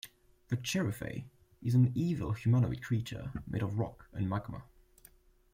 The Cherufe is an evil humanoid creature made of rock and magma.